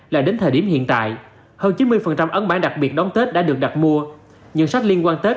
là đến thời điểm hiện tại hơn chín mươi ấn bản đặc biệt đón tết đã được đặt mua những sách liên quan tết